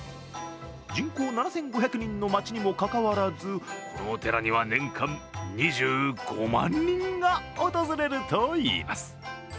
人口７５００人の町にもかかわらず、このお寺には年間２５万人が訪れるといいます。